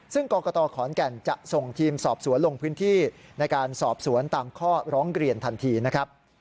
ซึ่งกรกตขอนแก่นจะส่งทีมสอบสวนลงพื้นที่ในการสอบสวนตามข้อร้องเรียนทันทีนะครับ